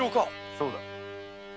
そうだ。